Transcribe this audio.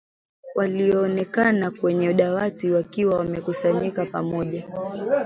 walionekana kwenye dawati wakiwa wamekusanyika pamoja